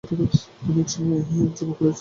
তিনি এক সময়ে এক যজ্ঞ করিয়াছিলেন।